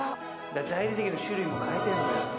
大理石の種類も変えてんだよ。